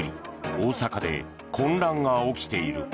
大阪で混乱が起きている。